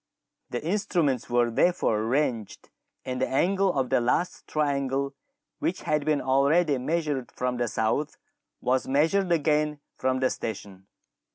Theinstruments were therefore arranged, and the angle of the last triangle which had been already measured from the south was measured again from the station.